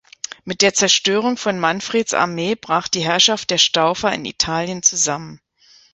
Mit der Zerstörung von Manfreds Armee brach die Herrschaft der Staufer in Italien zusammen.